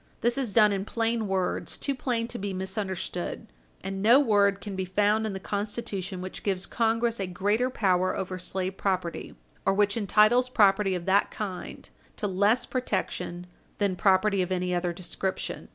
This is done in plain words too plain to be misunderstood. And no word can be found in the Constitution which gives Congress a greater power over slave property or which entitles property of that kind to less protection that property of any other description.